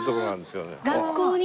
学校に。